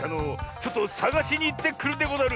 ちょっとさがしにいってくるでござる！